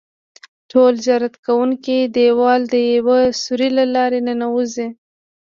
ټول زیارت کوونکي د دیوال د یوه سوري له لارې ننوځي.